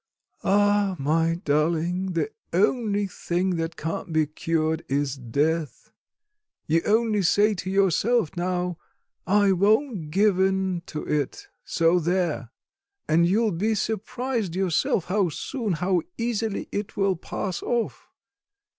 Ah, my darling, the only thing that can't be cured is death. You only say to yourself now: 'I won't give in to it so there!' and you will be surprised yourself how soon, how easily it will pass off.